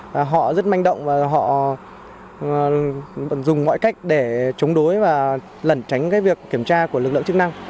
và họ rất manh động và họ dùng mọi cách để chống đối và lẩn tránh cái việc kiểm tra của lực lượng chức năng